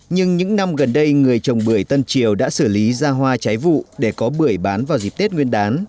nhưng những năm gần đây người trồng bưởi tân triều đã xử lý ra hoa trái vụ để có bưởi bán vào dịp tết nguyên đán